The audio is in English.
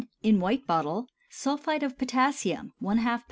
(In White Bottle.) Sulphide of potassium ½ lb.